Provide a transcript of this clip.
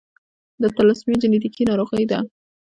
د تالاسیمیا جینیټیکي ناروغي ده.